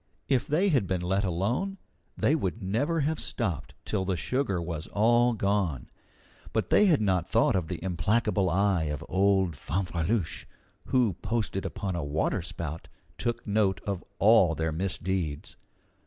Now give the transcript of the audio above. If they had been let alone, they would never have stopped till the sugar was all gone. But they had not thought of the implacable eye of old Fanfreluche, who, posted upon a water spout, took note of all their misdeeds.